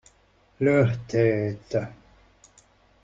Leurs têtes.